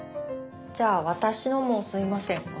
じゃあ私のもすいません。